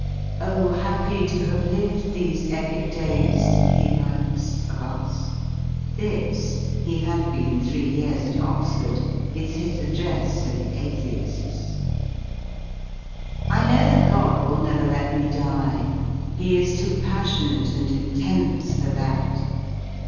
"Oh, happy to have lived these epic days," he writes (of us). This (he had been three ycari at Oxford) is his address to the Atheiils: '7 kruKO that God will never let me die. He is too passionate and intense for that.